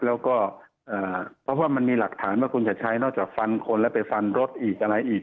แล้วก็เพราะว่ามันมีหลักฐานว่าคุณชัดชัยนอกจากฟันคนแล้วไปฟันรถอีกอะไรอีก